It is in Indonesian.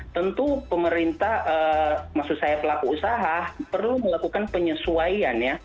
tentu pemerintah maksud saya pelaku usaha perlu melakukan penyesuaian ya